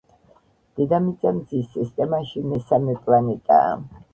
დედამიწა მზის სისტემაში მესამე პლანეტაა.